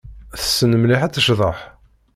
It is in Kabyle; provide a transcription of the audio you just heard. Tessen mliḥ ad tecḍeḥ.